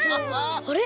あれ？